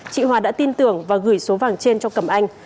chị hòa đã tin tưởng và gửi số vàng trên cho cầm anh